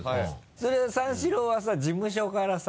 それ三四郎はさ事務所からさ